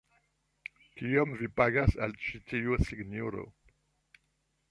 Kiom vi pagas al ĉi tiu sinjoro?